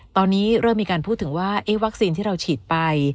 ตอนนี้เริ่มมีการพูดถึงว่าวัคซีนที่เราฉีดไป